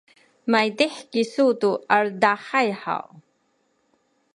maydih kisu tu aledahay haw?